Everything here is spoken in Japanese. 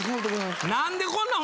何でこんなもん